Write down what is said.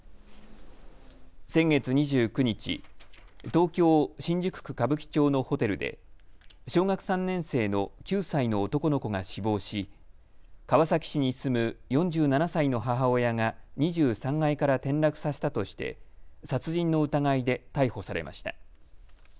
先月２９日、東京新宿区歌舞伎町のホテルで小学３年生の９歳の男の子が死亡し川崎市に住む４７歳の母親が２３階から転落させたとして殺人の疑いで逮捕されました。